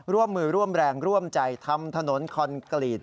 ร่วมมือร่วมแรงร่วมใจทำถนนคอนกรีต